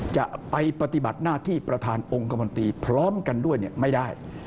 จะไปปฏิบัติหน้าที่ประธานองค์คมนตรีพร้อมกันด้วยไม่ได้